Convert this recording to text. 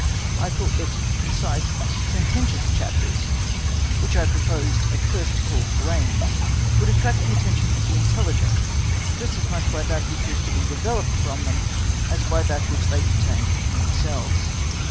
I thought that concise, sententious chapters, which I proposed at first to call grains, would attract the attention of the intelligent just as much by that which was to be developed from them, as by that which they contained in themselves.